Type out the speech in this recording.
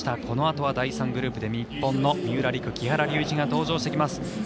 このあとは第３グループで日本の三浦璃来、木原龍一が登場してきます。